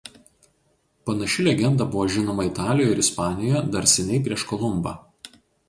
Panaši legenda buvo žinoma Italijoje ir Ispanijoje dar seniai prieš Kolumbą.